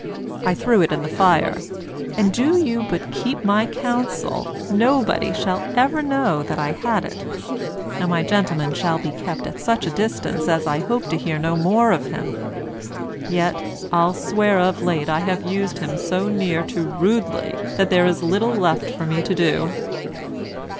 I threw it into the fire; and do you but keep my counsel, nobody shall ever know that I had it; and my gentleman shall be kept at such a distance as I hope to hear no more of him. Yet I'll swear of late I have used him so near to rudely that there is little left for me to do.